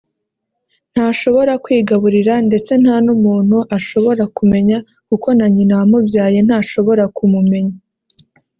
ntashobora kwigaburira ndetse nta n’umuntu ashobora kumenya kuko na nyina wamubyaye ntashobora kumumenya